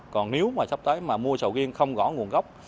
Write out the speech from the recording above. còn nếu sắp tới mua sầu riêng không gõ nguồn gốc